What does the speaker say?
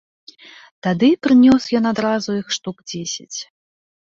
Тады прынёс ён адразу іх штук дзесяць.